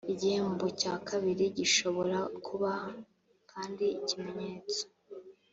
Igihembo cya kabiri gishobora kuba kandi ikimenyetso